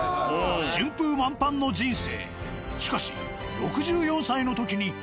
順風満帆の人生。